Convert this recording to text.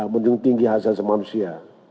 menjengkingi hasil manusia